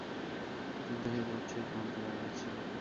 কিন্তু হে বৎস, এতে অন্তরায় আছে।